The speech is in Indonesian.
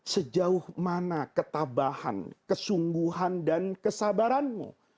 sejauh mana ketabahan kesungguhan dan kesabaranmu